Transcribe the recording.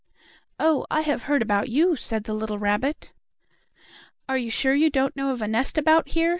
"Oh, I have heard about you," said the little rabbit. "Are you sure you don't know of a nest about here?"